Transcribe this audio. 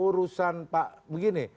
urusan pak begini